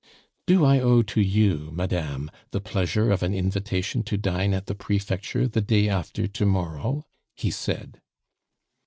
"Do I owe to you, madame, the pleasure of an invitation to dine at the Prefecture the day after to morrow?" he said.